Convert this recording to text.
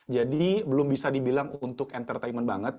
jadi belum bisa dibilang untuk entertainment banget